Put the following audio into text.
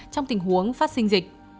trong tình huống phát sinh dịch